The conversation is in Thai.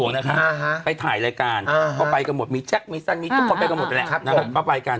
วันนั้นเค้าทำได้ไปไปถ่ายไม่ได้ไปบวงส่วงนะคะ